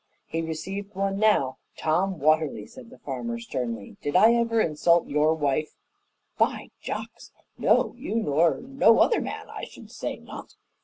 He received one now. "Tom Watterly," said the farmer sternly, "did I ever insult your wife?" "By jocks! No, you nor no other man. I should say not."